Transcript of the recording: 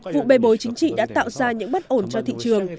vụ bề bồi chính trị đã tạo ra những bất ổn cho thị trường